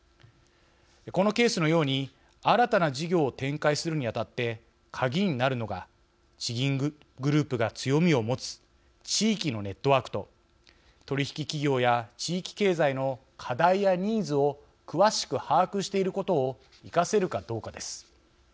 このケースのように新たな事業を展開するにあたって鍵になるのが地銀グループが強みを持つ地域のネットワークと取引企業や地域経済の課題やニーズを詳しく把握していることを生かせるかどうかです。